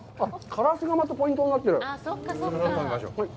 からしがまたポイントになってる。